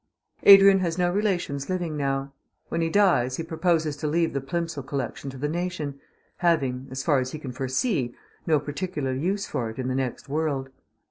..... Adrian has no relations living now. When he dies he proposes to leave the Plimsoll Collection to the nation, having as far as he can foresee no particular use for it in the next world.